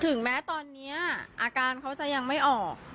ถึงแม้ตอนนี้อาการเขาจะยังไม่ออก